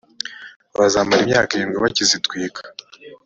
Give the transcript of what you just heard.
bazamara imyaka irindwi bakizitwika